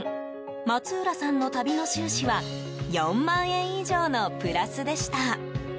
松浦さんの旅の収支は４万円以上のプラスでした。